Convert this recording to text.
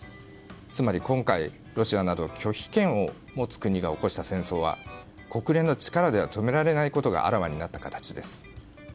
つまり今回、ロシアなど拒否権を持つ国が起こした戦争は国連の力では止められないことがあらわになった形です。